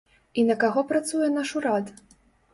І на каго працуе наш урад?